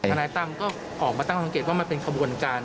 นายตั้มก็ออกมาตั้งสังเกตว่ามันเป็นขบวนการ